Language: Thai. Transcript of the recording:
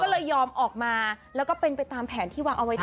ก็เลยยอมออกมาแล้วก็เป็นไปตามแผนที่วางเอาไว้ได้